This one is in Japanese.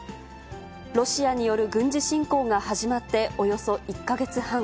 ロシアによる軍事侵攻が始まっておよそ１か月半。